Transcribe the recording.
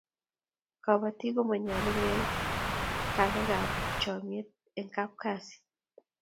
kiboitinik ko manyolu koyai kalekab chomnyet eng kapkazi